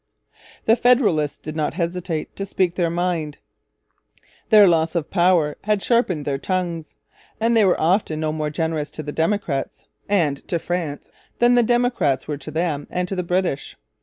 The Federalists did not hesitate to speak their mind. Their loss of power had sharpened their tongues; and they were often no more generous to the Democrats and to France than the Democrats were to them and to the British.